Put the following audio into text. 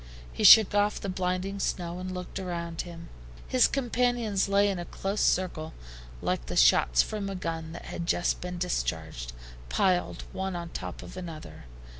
He shook off the blinding snow and looked around him. His companions lay in a close circle like the shots from a gun that has just been discharged, piled one on top of another.